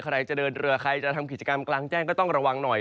ใครจะเดินเรือใครจะทำกิจกรรมกลางแจ้งก็ต้องระวังหน่อย